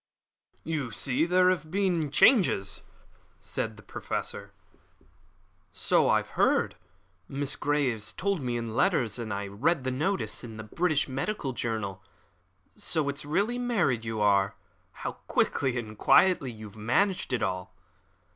"You see there have been changes," said the Professor. "So I heard. Miss Grey told me in her letters, and I read the notice in the British Medical Journal. So it's really married you are. How quickly and quietly you have managed it all!"